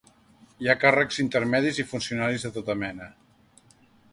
Hi ha càrrecs intermedis i funcionaris de tota mena.